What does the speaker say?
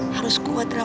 harus kuat ramah hati